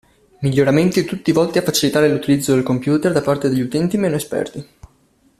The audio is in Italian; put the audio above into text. Miglioramenti tutti volti a facilitare l'utilizzo del computer da parte degli utenti meno esperti.